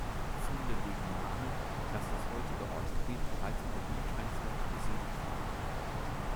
Funde legen nahe, dass das heutige Ortsgebiet bereits in der Jungsteinzeit besiedelt war.